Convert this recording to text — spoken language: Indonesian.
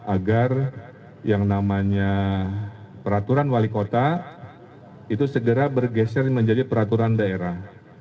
agar yang namanya peraturan wali kota itu segera bergeser menjadi peraturan daerah